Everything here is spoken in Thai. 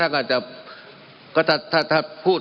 มันมีมาต่อเนื่องมีเหตุการณ์ที่ไม่เคยเกิดขึ้น